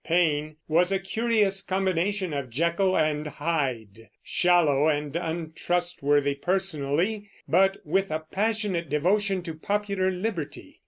Paine was a curious combination of Jekyll and Hyde, shallow and untrustworthy personally, but with a passionate devotion to popular liberty.